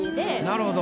なるほど。